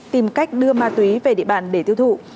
tìm cách đưa ma túy về địa bàn để tiêu thụ